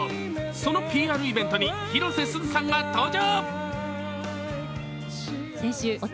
そのＰＲイベントに広瀬すずさんが登場。